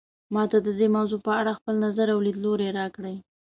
ما ته د دې موضوع په اړه خپل نظر او لیدلوری راکړئ